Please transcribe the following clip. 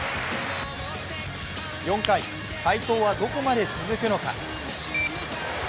４回、快投はどこまで続くのか。